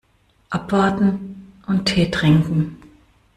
Abwarten und Tee trinken.